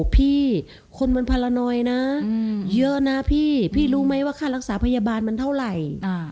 พี่คนมันพันละนอยนะเยอะนะพี่พี่รู้ไหมว่าค่ารักษาพยาบาลมันเท่าไหร่